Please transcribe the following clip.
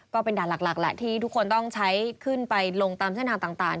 ก็เป็นด่านหลักแหละที่ทุกคนต้องใช้ขึ้นไปลงตามเส้นทางต่าง